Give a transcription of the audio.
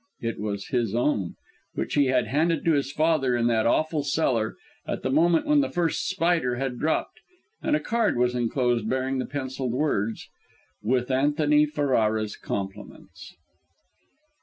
It was his own which he had handed to his father in that awful cellar at the moment when the first spider had dropped; and a card was enclosed, bearing the pencilled words, "With Antony Ferrara's Compliments."